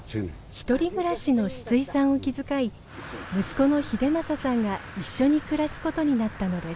独り暮らしのシツイさんを気遣い息子の英政さんが一緒に暮らすことになったのです。